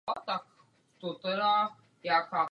V dětství hrál na klavír.